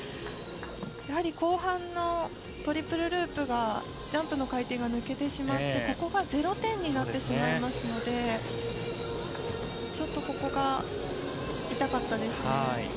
やはり後半のトリプルループがジャンプの回転が抜けてしまってここが０点になってしまいますのでちょっとここが痛かったです。